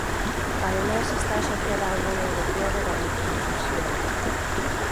Ademais está asociada á Unión Europea de Radiodifusión.